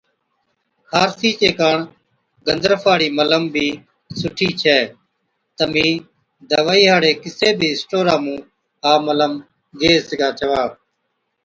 خارسِي چي ڪاڻ گندرفا هاڙِي ملم بِي سُٺِي ڇَي۔ تمهِين دَوائِي هاڙي ڪِسي بِي اسٽورا مُون ها ملم گيه سِگھا ڇَوا